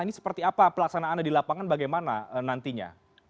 ini seperti apa pelaksanaannya di lapangan bagaimana nantinya